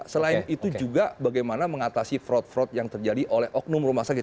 selain itu juga bagaimana mengatasi fraud fraud yang terjadi oleh oknum rumah sakit